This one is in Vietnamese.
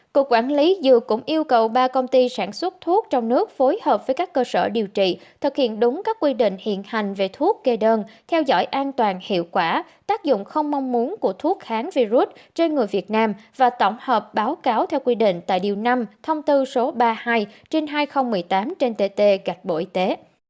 cục quản lý dược cũng yêu cầu ba công ty sản xuất thuốc trong nước phối hợp với các cơ sở điều trị thực hiện đúng các quy định hiện hành về thuốc gây đơn theo dõi an toàn hiệu quả tác dụng không mong muốn của thuốc kháng virus trên người việt nam và tổng hợp báo cáo theo quy định tại điều năm thông tư số ba mươi hai trên hai nghìn một mươi tám trên tt gạch bộ y tế